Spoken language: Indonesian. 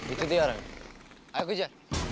itu dia orangnya